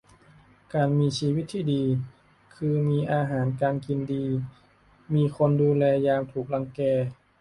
การมีชีวิตที่ดี คือมีอาหารการกินดี มีคนดูแลยามถูกรังแก